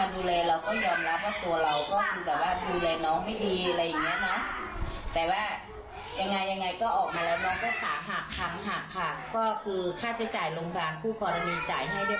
ต้องเปลี่ยนใจกันสักนิดหนึ่งดูแลน้องก่อน